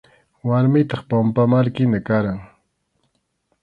Warmiytaq pampamarkina karqan.